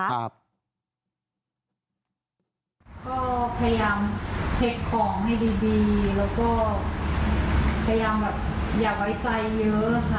ก็พยายามเช็คของให้ดีแล้วก็พยายามแบบอย่าไว้ใจเยอะค่ะ